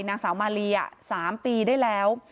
นางสาวมาลี๓ปีได้แล้ว